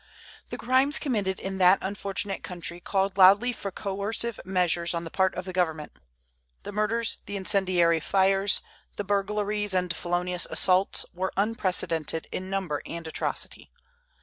The crimes committed in that unfortunate country called loudly for coercive measures on the part of the government. The murders, the incendiary fires, the burglaries and felonious assaults, were unprecedented in number and atrocity.